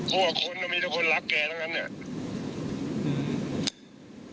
พวกคนมีคนรักแกทั้งนั้นเนี่ย